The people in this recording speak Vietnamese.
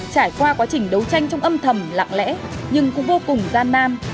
trải qua quá trình đấu tranh trong âm thầm lạng lẽ nhưng cũng vô cùng gian man